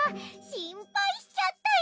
しんぱいしちゃったよ